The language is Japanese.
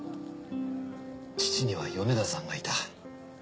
父には米田さんがいた。